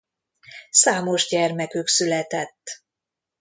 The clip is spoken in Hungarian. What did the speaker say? Számos gyermekük született.